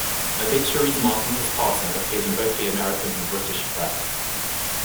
Obituaries marking his passing appeared in both the American and British press.